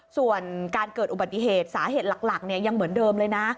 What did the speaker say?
ส่วนการเกิดอุบัติเหตุสาเหตุหลักยังเหมือนเดิมเลยนะ